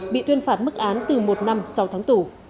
bị tuyên phạt mức án từ một năm sau tháng tù